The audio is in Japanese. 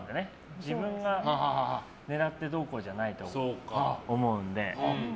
自分が狙ってどうこうじゃないと思うので。